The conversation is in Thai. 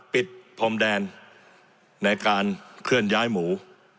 พรมแดนในการเคลื่อนย้ายหมู